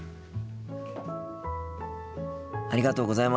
ありがとうございます。